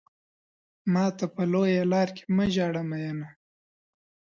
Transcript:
ماته په لويه لار کې مه ژاړه مينه.